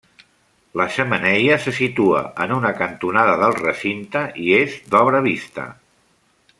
La xemeneia se situa en una cantonada del recinte i és d'obra vista.